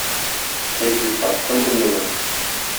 Әйт, зинһар, кем уйный моны?..